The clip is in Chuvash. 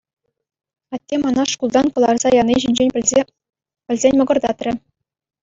Атте мана шкултан кӑларса яни ҫинчен пӗлсен мӑкӑртатрӗ.